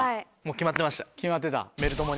決まってました。